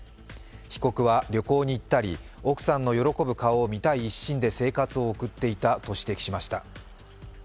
被告は旅行に行ったり、奥さんの喜ぶ顔を見たい一心で生活を送っていたと指摘しました。